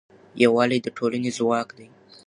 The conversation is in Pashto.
یووالی د ټولنې ځواک دی.